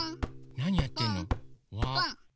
なにやってんの？